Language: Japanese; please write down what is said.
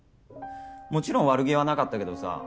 もちろん悪気はなかったけどさ